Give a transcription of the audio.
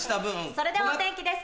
それではお天気です